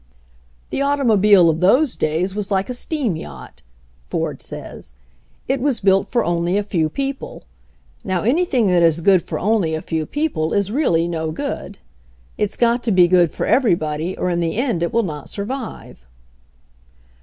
"The automobile of those days was like a steam yacht/' Ford says. "It was built for only a few people. Now anything that is good for only a few people is really no good. It's got to be good for everybody or in the end it will not survive."